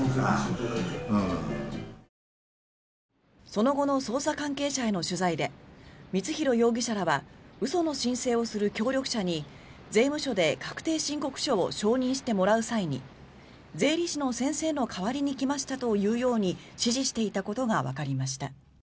その後の捜査関係者への取材で光弘容疑者らは嘘の申請をする協力者に税務署で確定申告書を承認してもらう際に税理士の先生の代わりに来ましたと言うように指示していたことがわかりました。